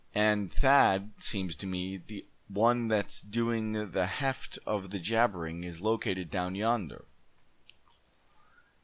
And Thad, seems to me, the one that's doing the heft of the jabbering is located down yonder.